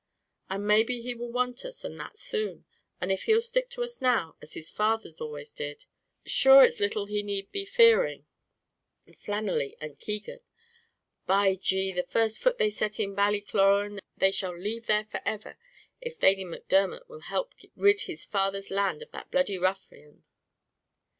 And maybe he will want us, and that soon; and if he'll stick to us now, as his fathers always did, sure it's little he need be fearing Flannelly and Keegan. By G , the first foot they set in Ballycloran they shall leave there forever, if Thady Macdermot will help rid his father's land of that bloody ruffian."